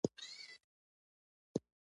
پوخ عمل اثر لري